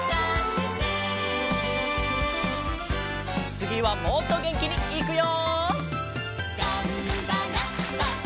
つぎはもっとげんきにいくよ！